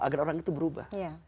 agar orang itu berubah